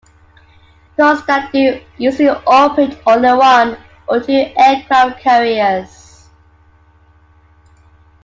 Those that do usually operate only one or two aircraft carriers.